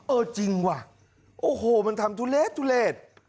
เออจริงว่ะโอ้โหมันทำทุเลศทุเลศ